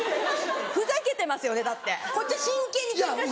ふざけてますよねだってこっち真剣にケンカしてんのに。